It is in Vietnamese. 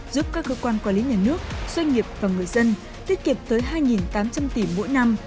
giúp các cơ quan quản lý nhà nước doanh nghiệp và người dân tiết kiệm tới hai tám trăm linh tỷ mỗi năm